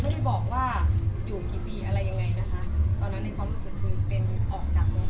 รู้สึกยังไงตอนนั้นคือตอนตอนที่เซ็นคือเขาไม่ได้บอก